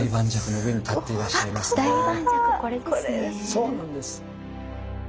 そうなんです。